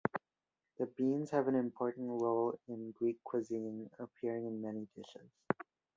The beans have an important role in Greek cuisine, appearing in many dishes.